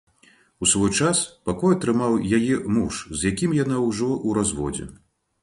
У свой час пакой атрымаў яе муж, з якім яна ўжо ў разводзе.